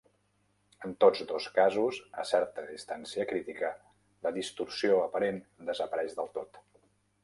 En tots dos casos, a certa distància crítica, la distorsió aparent desapareix del tot.